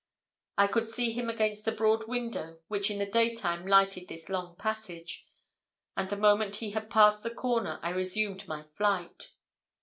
I could see him against the broad window which in the daytime lighted this long passage, and the moment he had passed the corner I resumed my flight.